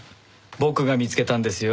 僕が見つけたんですよ